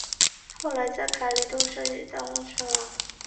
后来在里卡度一手设计的车祸中当场身亡。